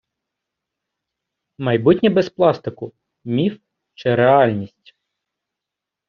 Майбутнє без пластику — міф чи реальність?